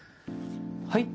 はい？